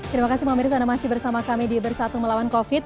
terima kasih pemirsa anda masih bersama kami di bersatu melawan covid